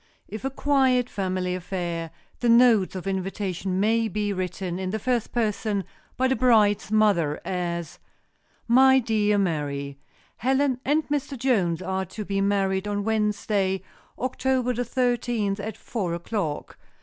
If a quiet family affair, the notes of invitation may be written in the first person by the bride's mother, as: "My Dear Mary: "Helen and Mr. Jones are to be married on Wednesday, October the thirteenth, at four o'clock.